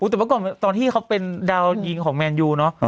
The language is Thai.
แต่เมื่อก่อนตอนที่เขาเป็นดาวยิงของแมนยูเนอะ